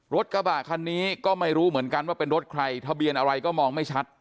รถกระบะคันนี้ก็ไม่รู้เหมือนกันว่าเป็นรถใครทะเบียนอะไรก็มองไม่ชัด